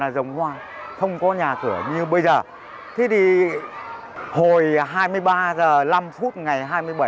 cứ một cái bấm khó may